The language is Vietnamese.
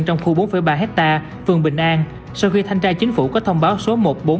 trong khu bốn ba hectare phường bình an sau khi thanh tra chính phủ có thông báo số một nghìn bốn trăm tám mươi ba